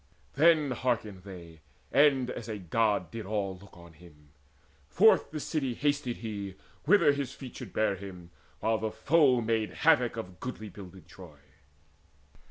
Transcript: Then hearkened they, and as a God did all Look on him. Forth the city hasted he Whither his feet should bear him, while the foe Made havoc still of goodly builded Troy.